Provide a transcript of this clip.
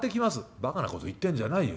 「バカなこと言ってんじゃないよ。